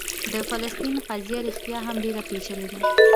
د فلسطین قضیه رښتیا هم ډېره پېچلې ده.